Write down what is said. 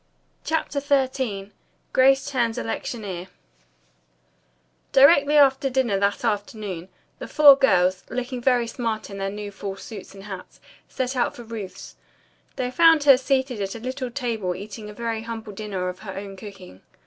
CHAPTER XIII GRACE TURNS ELECTIONEER Directly after dinner that afternoon, the four girls, looking very smart in their new fall suits and hats, set out for Ruth's. They found her seated at her little table eating a very humble dinner of her own cooking.